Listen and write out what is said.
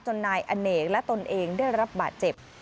นายอเนกและตนเองได้รับบาดเจ็บ